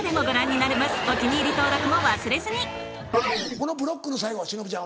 このブロックの最後忍ちゃん